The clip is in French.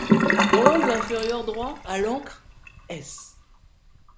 Dans l'angle inférieur droit, à l'encre: “S.